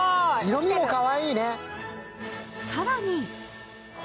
色みもかわいいね。